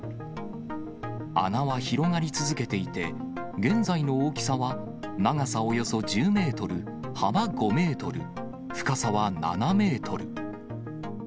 穴は広がり続けていて、現在の大きさは長さおよそ１０メートル、幅５メートル、深さは７メートル。